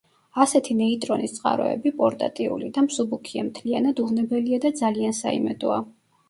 ასეთი ნეიტრონის წყაროები პორტატიული და მსუბუქია, მთლიანად უვნებელია და ძალიან საიმედოა.